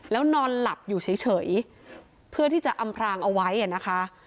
แล้วนอนหลับอยู่เฉยเพื่อที่จะอำพรางเอาไว้นะคะ